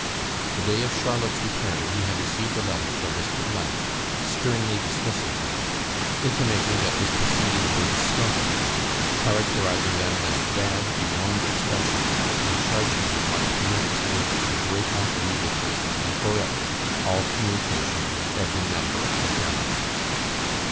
The day of Charlotte's return, he had received a letter from Mr. , sternly dismissing him, intimating that his proceedings were discovered, characterising them as bad beyond expression, and charging him, on pain of exposure, to break off immediately, and for ever, all communication with every member of the family.